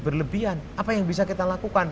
berlebihan apa yang bisa kita lakukan